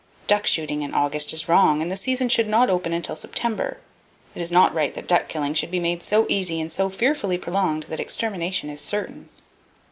Duck shooting in August is wrong, and the season should not open until September. It is not right that duck killing should be made so easy and so fearfully prolonged that extermination is certain.